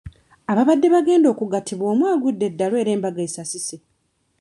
Ababadde bagenda okugattibwa omu agudde eddalu era embaga esasise.